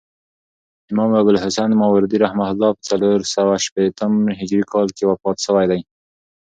امام ابوالحسن ماوردي رحمة الله په څلورسوه شپېتم هجري کال کښي وفات سوی دي.